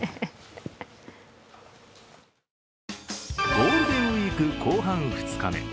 ゴールデンウイーク後半２日目。